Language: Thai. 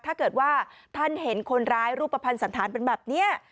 ถ้าเกิดว่าท่านเห็นคนร้ายรูปภัณฑ์สันธารเป็นแบบนี้